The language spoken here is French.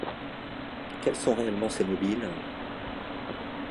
Quels sont réellement ses mobiles?